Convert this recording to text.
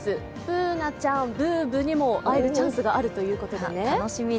Ｂｏｏｎａちゃん、ＢｏｏＢｏにも会えるチャンスがあるということです。